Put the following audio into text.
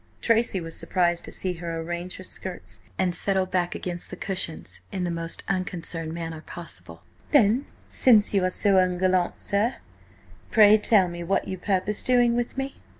Tracy was surprised to see her arrange her skirts and settle back against the cushions in the most unconcerned manner possible. "Then, since you are so ungallant, sir, pray tell me what you purpose doing with me?"